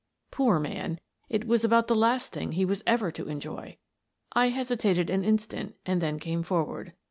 Poor man, it was about the last thing he was ever to enjoy! I hesitated an instant and then came for ward.